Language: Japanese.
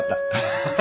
ハハハ。